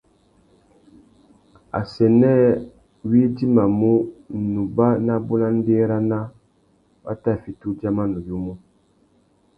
Assênē wá idjimamú, nubá nabú na ndérana, wa tà fiti udjama nuyumu.